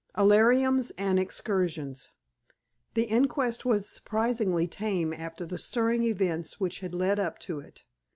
"Alarums and Excursions" The inquest was surprisingly tame after the stirring events which had led up to it.